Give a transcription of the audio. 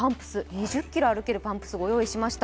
２０ｋｍ歩けるパンプス、ご用意しました。